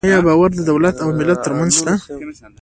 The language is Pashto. آیا باور د دولت او ملت ترمنځ شته؟